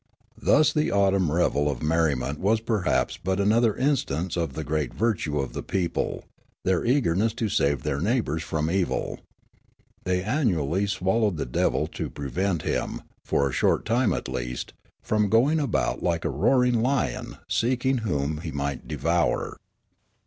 Thus the autumn revel of merriment was perhaps but another instance of the great virtue of the people, their eager ness to save their neighbours from evil. They annu ally swallowed the devil to prevent him, for a short time at least, from going about like a roaring lion seeking whom he might devour.